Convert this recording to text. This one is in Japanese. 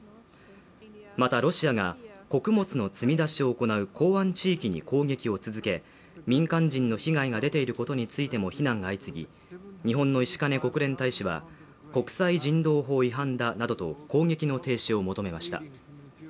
またロシアが穀物の積み出しを行う港湾地域に攻撃を続け、民間人の被害が出ていることについても非難が相次ぎ、日本の石兼国連大使は、国際人道法違反だなどと攻撃の停止を求めました。